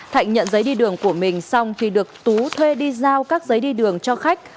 thạnh nhận giấy đi đường của mình xong thì được tú thuê đi giao các giấy đi đường cho khách